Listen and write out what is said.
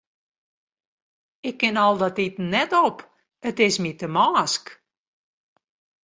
Ik kin al dat iten net op, it is my te mânsk.